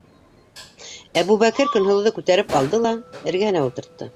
- Әбүбәкер Көнһылыуҙы күтәреп алды ла эргәһенә ултыртты.